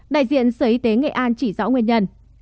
đại diện sở y tế nghệ an chỉ rõ nguyên nhân